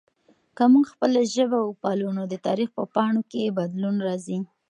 که موږ خپله ژبه وپالو نو د تاریخ په پاڼو کې بدلون راځي.